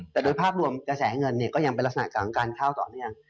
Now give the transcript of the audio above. แต่โดยภาพรวมกระแสเงินเนี่ยก็ยังเป็นลักษณะของการเข้าต่อเนื่อง